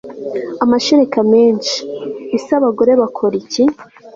amashereka menshi. ese abagore bakora iki